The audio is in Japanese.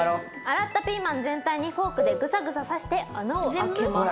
洗ったピーマン全体にフォークでグサグサ刺して穴を開けます。